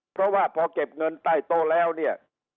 เพราะว่าพอเก็บเงินใต้โต๊ะแล้วเนี่ย